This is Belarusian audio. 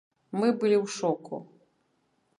Мы былі ў шоку.